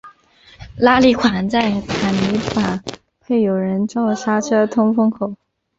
拉力款在挡泥板配有人造刹车通风孔。